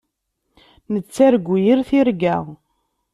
Nettargu yir tirga.